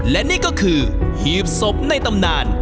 และนี่ก็คือหีบศพในตำนาน